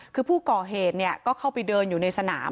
คือผู้ก่อเหตุก็เข้าไปเดินอยู่ในสนาม